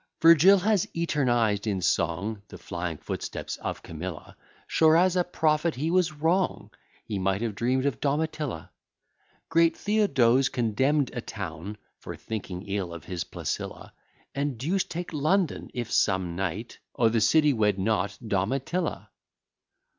Virgil has eternized in song The flying footsteps of Camilla; Sure, as a prophet, he was wrong; He might have dream'd of Domitilla. Great Theodose condemn'd a town For thinking ill of his Placilla: And deuce take London! if some knight O' th' city wed not Domitilla.